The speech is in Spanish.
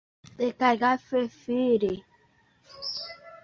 Es protector de asesinos, ladrones y aficionados.